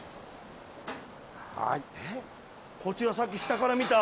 こちらさっき下から見た。